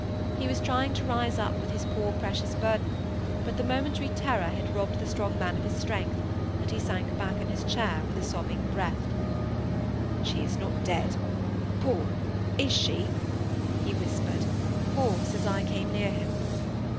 He was trying to rise up with his poor precious burden, but the momentary terror had robbed the strong man of his strength, and he sank back in his chair with sobbing breath. "She is not dead, Paul! is she?" he whispered, hoarse, as I came near him.